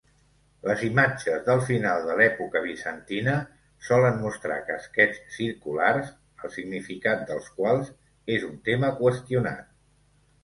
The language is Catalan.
Les imatges del final de l'època bizantina solen mostrar casquets circulars, el significat dels quals és un tema qüestionat.